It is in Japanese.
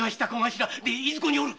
でいずこにおる？